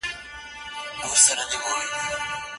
و ګر تو صدر شوي واعظا درین مجلس